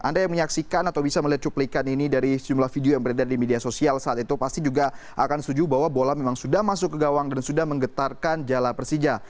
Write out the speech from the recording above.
anda yang menyaksikan atau bisa melihat cuplikan ini dari sejumlah video yang beredar di media sosial saat itu pasti juga akan setuju bahwa bola memang sudah masuk ke gawang dan sudah menggetarkan jala persija